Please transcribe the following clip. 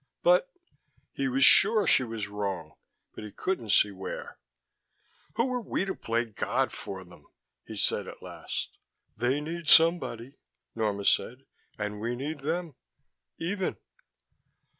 "But " He was sure she was wrong, but he couldn't see where. "Who are we to play God for them?" he said at last. "They need somebody," Norma said. "And we need them. Even."